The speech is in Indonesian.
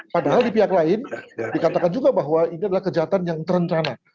padahal di pihak lain dikatakan juga bahwa ini adalah kejahatan yang terencana